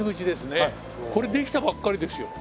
これできたばかりですよ。